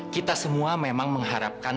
kita semua memang mengharapkan